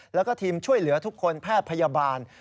แล้วก็ทีมช่วยเหลือทุกคนแพทย์พยาบาล